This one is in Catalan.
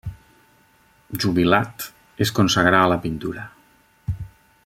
Jubilat, es consagrà a la pintura.